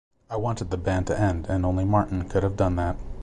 I wanted the band to end and only Martin could have done that.